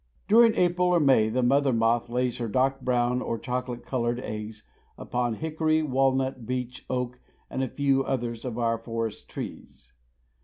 During April or May the mother moth lays her dark brown or chocolate colored eggs upon hickory, walnut, beech, oak, and a few others of our forest trees.